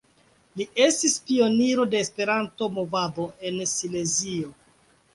Li estis pioniro de Esperanto-movado en Silezio.